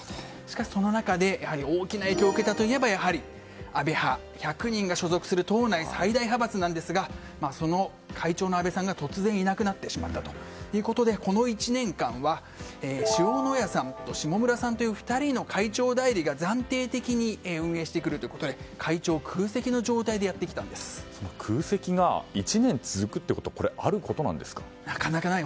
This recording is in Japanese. その中で大きな影響を受けたのはやはり安倍派１００人が所属する党内最大派閥ですがその会長の安倍さんが突然いなくなってしまったことでこの１年間は塩谷さんと下村さんという２人の会長代理が暫定的に運営していて会長空席の状態で空席が１年続くってことなかなかない。